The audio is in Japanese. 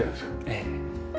ええ。